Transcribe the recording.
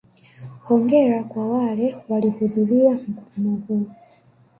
Hongera kwa wale walihudhuria mkutano huu.